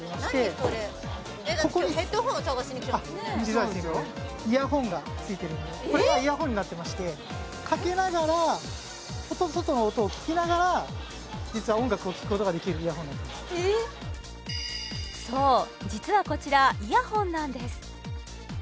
これイヤホンが付いてるこれがイヤホンになってましてかけながら外の音を聞きながら実は音楽をきくことができるイヤホンなんですそう実はこちらイヤホンなんですメガネのつるの部分に